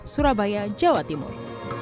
surabaya jawa timur